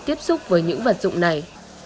tiếp xúc với những vật dụng này